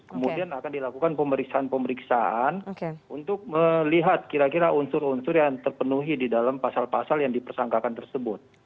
kemudian akan dilakukan pemeriksaan pemeriksaan untuk melihat kira kira unsur unsur yang terpenuhi di dalam pasal pasal yang dipersangkakan tersebut